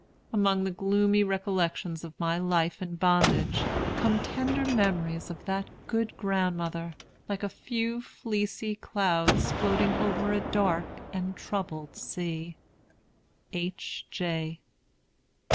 Among the gloomy recollections of my life in bondage come tender memories of that good grandmother, like a few fleecy clouds floating over a dark and troubled sea." H. J.